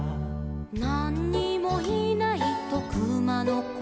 「なんにもいないとくまのこは」